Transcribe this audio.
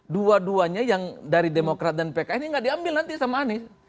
dua duanya yang dari demokrat dan pks ini nggak diambil nanti sama anies